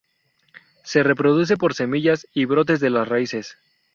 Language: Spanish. Se reproduce por semillas y brotes de las raíces.